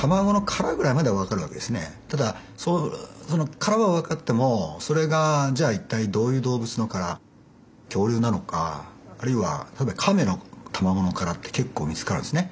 ただ殻は分かってもそれがじゃあ一体どういう動物の殻恐竜なのかあるいはカメの卵の殻って結構見つかるんですね。